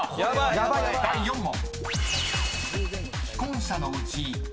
［第４問］